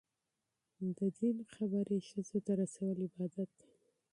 د دین خبرې ښځو ته رسول عبادت دی.